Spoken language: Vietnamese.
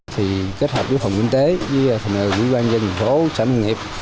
thì kết hợp với phòng kinh tế với phòng nguyên quan dân phố xã nông nghiệp